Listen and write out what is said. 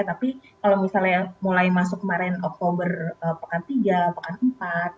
tapi kalau misalnya mulai masuk kemarin oktober pekan tiga pekan empat